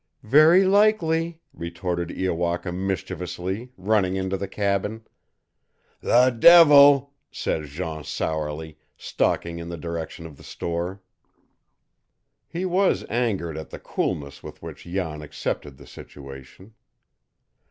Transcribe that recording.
"Very likely," retorted Iowaka mischievously, running into the cabin. "The devil!" said Jean sourly, stalking in the direction of the store. He was angered at the coolness with which Jan accepted the situation.